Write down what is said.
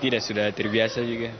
tidak sudah terbiasa juga